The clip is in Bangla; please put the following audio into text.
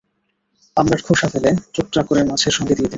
আমড়ার খোসা ফেলে টুকরা করে মাছের সঙ্গে দিয়ে দিন।